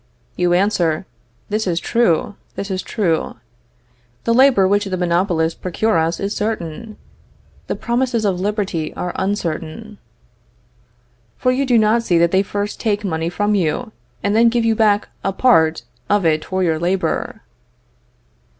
You answer: This is true, this is true. The labor which the monopolists procure us is certain. The promises of liberty are uncertain. For you do not see that they first take money from you, and then give you back a part of it for your labor.